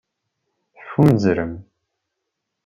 Teffunzrem.